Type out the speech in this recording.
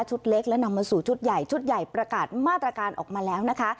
เล็กและนำมาสู่ชุดใหญ่ชุดใหญ่ประกาศมาตรการออกมาแล้วนะคะ